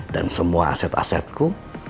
dan semua aset asetku